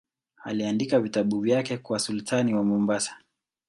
Aliandika vitabu vyake kwa sultani wa Mombasa.